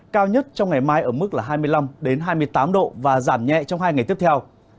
cao nhất trong ngày mai ở mức là hai mươi năm hai mươi tám độ và giảm nhẹ trong hai ngày tiếp theo